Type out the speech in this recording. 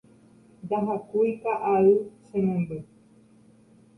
Ndahakúi ka'ay che memby